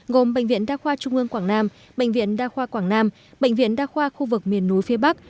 gồm bệnh viện đa khoa trung ương quảng nam bệnh viện đa khoa quảng nam bệnh viện đa khoa khu vực miền núi phía bắc